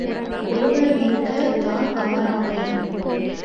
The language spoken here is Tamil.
ஒருவர் நிற்க, தான் அமராமை.